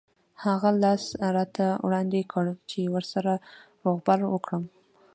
هغه لاس راته وړاندې کړ چې ورسره روغبړ وکړم.